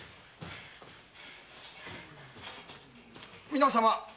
皆様！